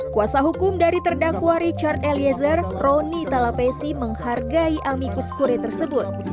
kuasa hukum dari terdakwa richard eliezer roni talapesi menghargai amikus kure tersebut